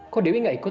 kok dewi gak ikut